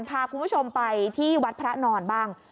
พาคุณผู้ชมไปที่วัดพระนอนบ้าง